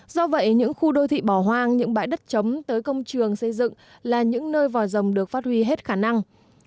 do vậy những khu đô thị bỏ hoang những bãi đất chấm tới công trường xây dựng là những nơi vòi rồng được phát huy hết khả năng